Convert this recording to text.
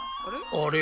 あれ？